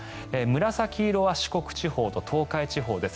紫色は四国地方と東海地方です。